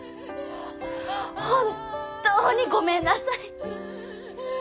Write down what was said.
本当にごめんなさい。